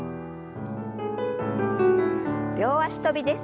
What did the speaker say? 両脚跳びです。